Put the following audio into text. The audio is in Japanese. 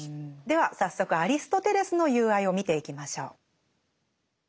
では早速アリストテレスの「友愛」を見ていきましょう。